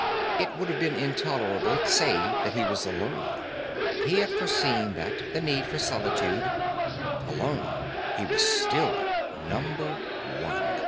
It would have been intolerable, save that he was alone. He had foreseen that the need for solitude. Alone, he was still Number One.